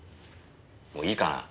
もういいかな？